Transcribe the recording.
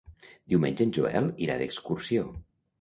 Diumenge en Joel irà d'excursió.